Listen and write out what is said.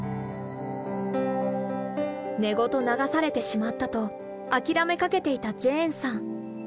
根ごと流されてしまったと諦めかけていたジェーンさん。